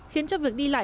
khiến cho việc đi lạc